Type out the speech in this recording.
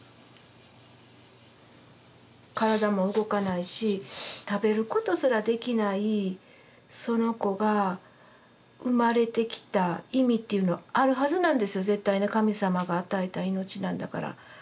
体も動かないし食べることすらできないその子が生まれてきた意味っていうのはあるはずなんですよ絶対神様が与えた命なんだから。